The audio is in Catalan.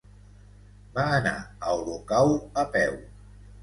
Va anar a Olocau a peu.